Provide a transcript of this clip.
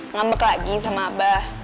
ngambek lagi sama abah